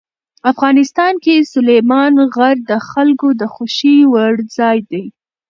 افغانستان کې سلیمان غر د خلکو د خوښې وړ ځای دی.